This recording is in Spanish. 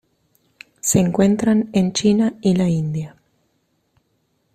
Se encuentran en China y la India.